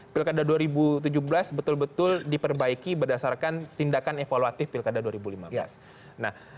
pilkada dua ribu tujuh belas betul betul diperbaiki berdasarkan tindakan evaluatif pilkada dua ribu lima belas